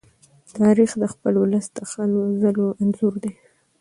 تاریخ د خپل ولس د هلو ځلو انځور دی.